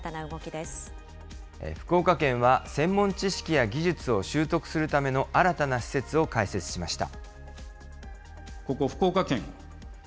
福岡県は、専門知識や技術を習得するための新たな施設を開設しました。